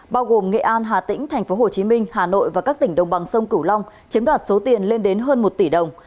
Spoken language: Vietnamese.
bao gồm nghệ an hà tĩnh tp hcm hà nội và các tỉnh đồng bằng sông cửu long chiếm đoạt số tiền lên đến hơn một tỷ đồng